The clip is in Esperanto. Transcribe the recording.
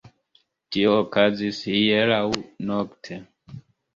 Tio okazis hieraŭ nokte.